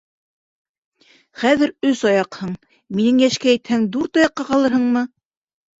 Хәҙер өс аяҡһың, минең йәшкә етһәң, дүрт аяҡҡа ҡалырһыңмы?